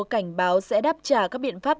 cảnh báo sẽ đáp trả các biện pháp